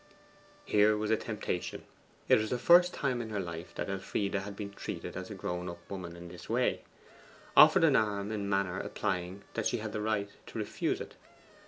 Here was a temptation: it was the first time in her life that Elfride had been treated as a grown up woman in this way offered an arm in a manner implying that she had a right to refuse it.